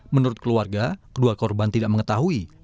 menurut keluarga kedua korban tidak mengetahui